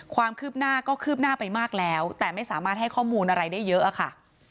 ความคืบหน้าก็คืบหน้าไปมากแล้วแต่ไม่สามารถให้ข้อมูลอะไรได้เยอะค่ะ